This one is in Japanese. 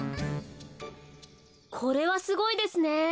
これはすごいですね。